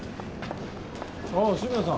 ああ渋谷さん。